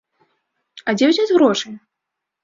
А дзе ўзяць грошы?